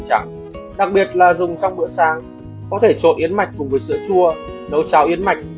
chẳng đặc biệt là dùng trong bữa sáng có thể trộn yến mạch cùng với sữa chua nấu trà yến mạch